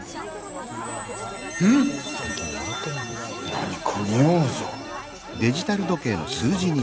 何かにおうぞ。